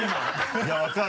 いや分かる。